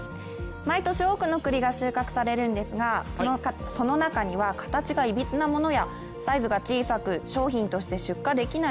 毎年多くの栗が収穫されるんですがその中には形がいびつなものやサイズが小さく商品として出荷できない